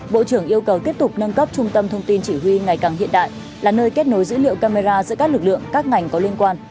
bộ trưởng yêu cầu tiếp tục nâng cấp trung tâm thông tin chỉ huy ngày càng hiện đại là nơi kết nối dữ liệu camera giữa các lực lượng các ngành có liên quan